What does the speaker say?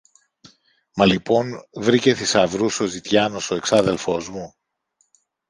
Μα λοιπόν βρήκε θησαυρούς ο ζητιάνος ο εξάδελφος μου;